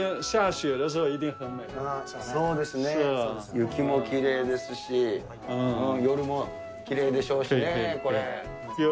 雪もきれいですし、夜もきれいでしょうしね、これ。